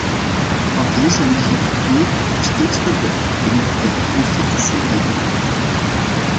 Van deze liggen er twee nog steeds ter beoordeling bij de constitutionele hoven.